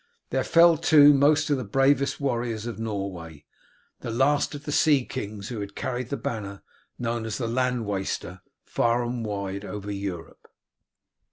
There fell, too, most of the bravest warriors of Norway, the last of the sea kings who had carried the banner, known as the land waster, far and wide over Europe.